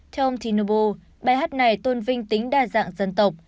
theo ông tinnobo bài hát này tôn vinh tính đa dạng dân tộc